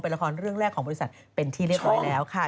ละครเรื่องแรกของบริษัทเป็นที่เรียบร้อยแล้วค่ะ